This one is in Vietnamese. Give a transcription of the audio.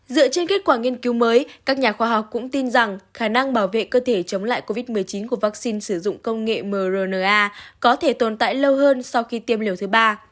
dựa trên kết quả nghiên cứu mới các nhà khoa học cũng tin rằng khả năng bảo vệ cơ thể chống lại covid một mươi chín của vaccine sử dụng công nghệ mrna có thể tồn tại lâu hơn sau khi tiêm liều thứ ba